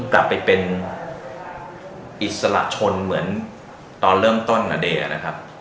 กลับไปเป็นอิสระชนเหมือนตอนเริ่มต้นณเดย์นะครับ